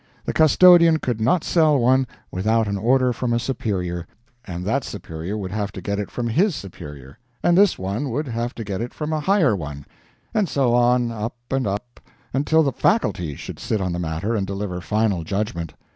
The custodian could not sell one without an order from a superior; and that superior would have to get it from HIS superior; and this one would have to get it from a higher one and so on up and up until the faculty should sit on the matter and deliver final judgment.